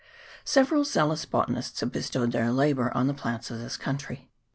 Several zealous botanists have bestowed their labour on the plants of this country.